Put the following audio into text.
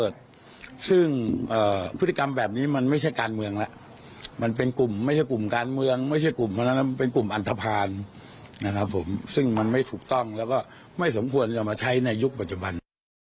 ซึ่งมันไม่ถูกต้องแล้วก็ไม่สมควรจะเอามาใช้ในยุคปัจจุบัน